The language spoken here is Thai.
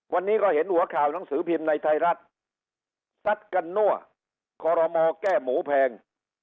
วันนี้ก็เห็นหัวข่าวหนังสือพิมพ์ในไทยรัฐซัดกันนั่วคอรมอแก้หมูแพง